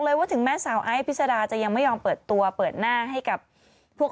ว่าถึงแม้สาวไอ้พิษดาจะยังไม่ยอมเปิดตัวเปิดหน้าให้กับพวก